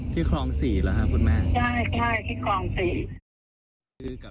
ที่คลองศรีเหรอค่ะคุณมหาค